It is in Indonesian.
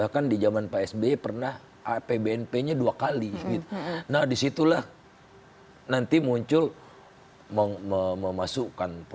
kan sudah naik cukup